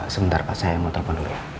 sebentar pak saya mau telepon dulu